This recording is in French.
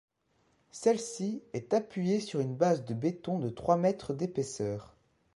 Celle-ci est appuyée sur une base de béton de trois mètres d’épaisseur.